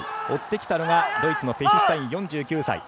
追ってきたのがドイツのペヒシュタイン、４９歳。